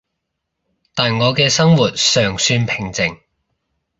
但我嘅生活尚算平靜